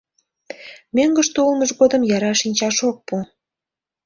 Мӧҥгыштӧ улмыж годым яра шинчаш ок пу.